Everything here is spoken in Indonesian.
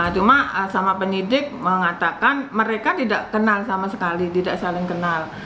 cuma sama penyidik mengatakan mereka tidak kenal sama sekali tidak saling kenal